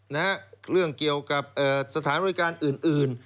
นะฮะเรื่องเกี่ยวกับสถานบริการอื่นอื่น